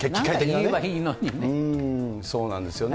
そうなんですよね。